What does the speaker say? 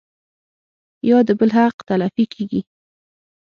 يا د بل حق تلفي کيږي